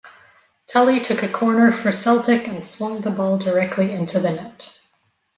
Tully took a corner for Celtic and swung the ball directly into the net.